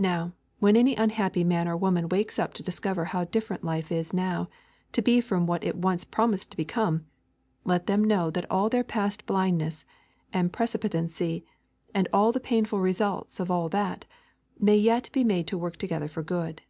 Now, when any unhappy man or woman wakens up to discover how different life is now to be from what it once promised to become, let them know that all their past blindness, and precipitancy, and all the painful results of all that, may yet be made to work together for good.